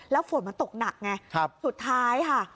แล้วฝนมันตกหนักไงสุดท้ายค่ะ